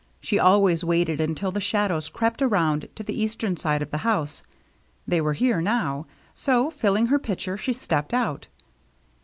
She always waited until the shadows crept around to the eastern side of the house ; they were here now, so, filling her pitcher, she stepped out.